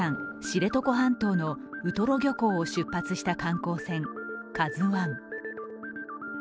知床半島のウトロ漁港を出発した観光船「ＫＡＺＵⅠ」。